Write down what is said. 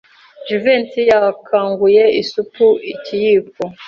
Jivency yakanguye isupu ikiyiko.